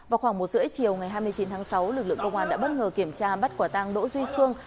vào khoảng một h ba mươi chiều ngày hai mươi chín tháng sáu lực lượng công an đã bất ngờ kiểm tra bắt quả tang đỗ duy khương